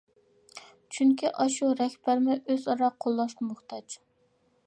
چۈنكى ئاشۇ رەھبەرمۇ ئۆز ئارا قوللاشقا موھتاج.